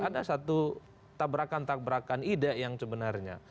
ada satu tabrakan tabrakan ide yang sebenarnya